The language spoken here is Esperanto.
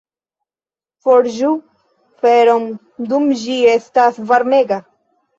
Forĝu feron dum ĝi estas varmega.